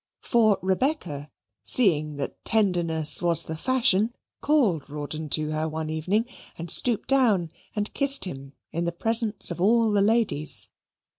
For Rebecca, seeing that tenderness was the fashion, called Rawdon to her one evening and stooped down and kissed him in the presence of all the ladies.